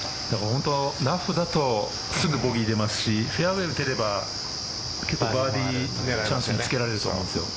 ラフだと、すぐ出ますしフェアウェイに抜ければバーディーチャンスにつけられると思うんですよ。